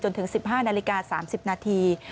ถึง๑๕นาฬิกา๓๐นาที